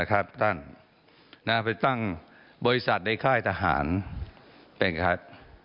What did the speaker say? ครับท่านนะครับเป็นตั้งบริษัทในค่ายทหารเป็นครับ